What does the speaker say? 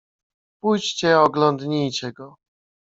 "Pójdźcie oglądnijcie go."